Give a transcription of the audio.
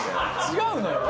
違うのよ。